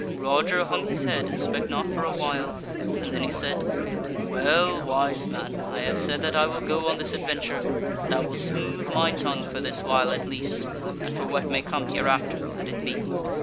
Roger hung his head and spake not for a while, and then he said: "Well, wise man, I have said that I will go on this adventure, and I will smooth my tongue for this while at least, and for what may come hereafter, let it be.